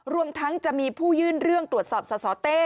รวมทั้งจะมีผู้ยื่นเรื่องตรวจสอบสสเต้